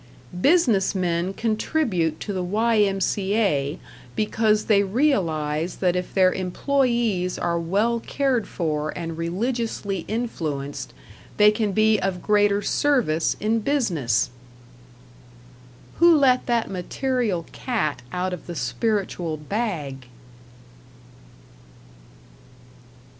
Business men contribute to the Y.M.C.A. because they realize that if their employes are well cared for and religiously influenced, they can be of greater service in business! Who let that material cat out of the spiritual bag?